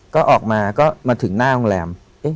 ก็ออกมาก็มาถึงหน้าโรงแรม